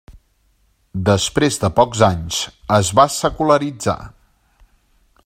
Després de pocs anys es va secularitzar.